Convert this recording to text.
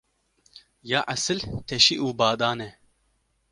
Ya esil teşî û badan e.